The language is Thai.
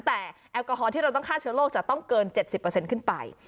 แต่แอลกอฮอลที่เราต้องฆ่าเชื้อโรคจะต้องเกิน๗๐ขึ้นไป